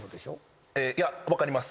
いや分かります。